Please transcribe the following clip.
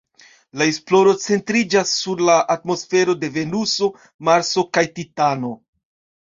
Lia esploro centriĝas sur la atmosferoj de Venuso, Marso kaj Titano.